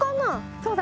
そうだね。